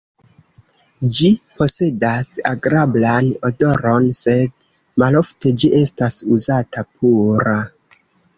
Ĝi posedas agrablan odoron, sed malofte ĝi estas uzata pura.